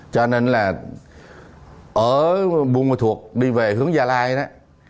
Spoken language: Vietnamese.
cho nên là ở buôn mô thuộc đi về hướng gia lai đó